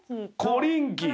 コリンキー！